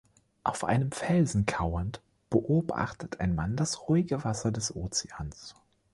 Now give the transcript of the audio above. Auf einem Felsen kauernd beobachtet ein Mann das ruhige Wasser des Ozeans.